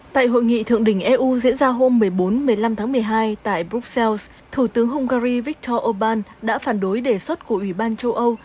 tại hội nghị thượng đỉnh eu diễn ra hôm một mươi bốn một mươi năm tháng một mươi hai tại bruxelles thủ tướng hungary viktor orbán đã phản đối đề xuất của ủy ban châu âu